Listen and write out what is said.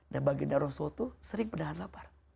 nah baginda roswa tuh sering menahan lapar